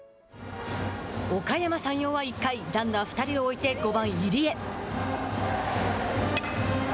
おかやま山陽は１回ランナー２人を置いて５番入江。